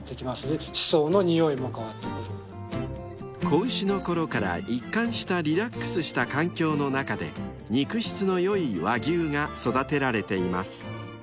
［子牛の頃から一貫したリラックスした環境の中で肉質の良い和牛が育てられています］